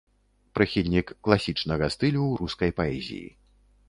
Прыхільнік класічнага стылю ў рускай паэзіі.